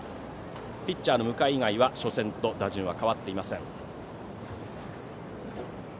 ピッチャーの向井以外は初戦と打順が変わっていません。